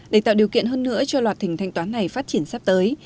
để tạo điều kiện hơn nữa cho loạt hình thanh toán này phát triển sắp tới